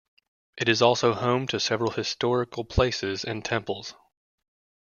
It is also home to several historical places and temples.